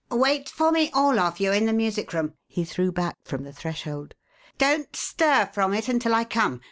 "Wait for me all of you in the music room," he threw back from the threshold. "Don't stir from it until I come.